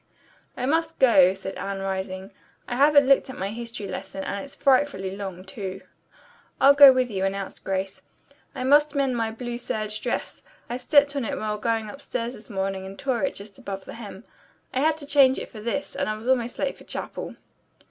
"I must go," said Anne, rising. "I haven't looked at my history lesson, and it is frightfully long, too." "I'll go with you," announced Grace. "I must mend my blue serge dress. I stepped on it while going upstairs this morning and tore it just above the hem. I had to change it for this, and was almost late for chapel."